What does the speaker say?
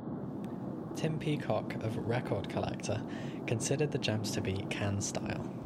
Tim Peacock of "Record Collector" considered the jams to be "Can-style.